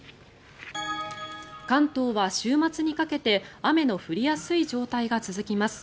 関東は週末にかけて雨の降りやすい状態が続きます。